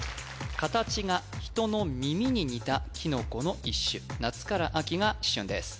形が人の耳に似たキノコの一種夏から秋が旬です